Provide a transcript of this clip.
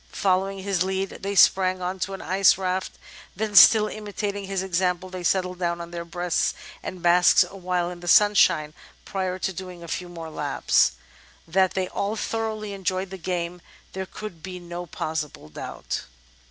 Following his lead they sprang on to an ice raft ; then, still imitating his example, they settled down on their breasts and basked awhile in the sunshine — prior to doing a few more laps. That they all thoroughly enjoyed the game, there could be no possible doubt."